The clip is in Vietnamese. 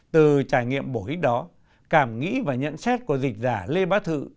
từ trải nghiệm bổ ích đó cảm nghĩ và nhận xét của dịch giả lê bá thự